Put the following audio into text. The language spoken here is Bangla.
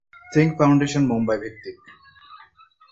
থিঙ্ক ফাউন্ডেশন মুম্বাই ভিত্তিক।